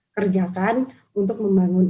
kerjakan untuk membangun